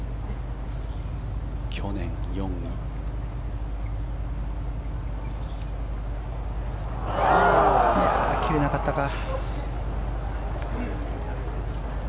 去年４位。切れなかったか。